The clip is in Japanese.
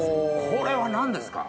これは何ですか？